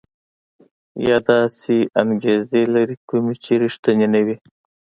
یا داسې انګېزې لري کومې چې ريښتيني نه وي.